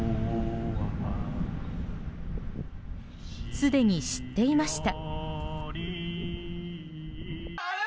すでに知っていました。